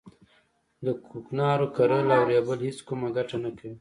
د کوکنارو کرل او رېبل هیڅ کومه ګټه نه کوي